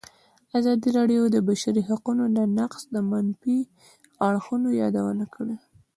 ازادي راډیو د د بشري حقونو نقض د منفي اړخونو یادونه کړې.